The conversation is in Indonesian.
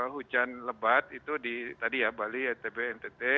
hujan lebat itu di tadi ya bali ntb ntt